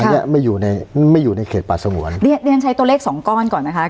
อันนี้ไม่อยู่ในไม่อยู่ในเขตป่าสงวนเรียนใช้ตัวเลขสองก้อนก่อนนะคะ